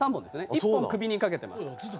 １本首に掛けてます。